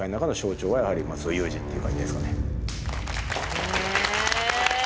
へえ。